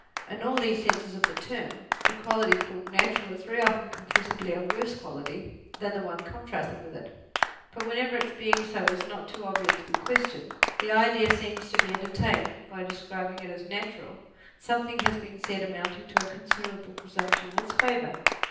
In all these senses of the term, the quality called na tural is very often confessedly a worse quality than the one contrasted with it ; but whenever its being so is not too obvious to be questioned, the idea seems to be entertained that by describing it as natural, something has been said amounting to a considerable presump tion in its favour.